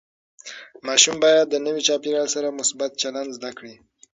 ماشوم باید د نوي چاپېریال سره مثبت چلند زده کړي.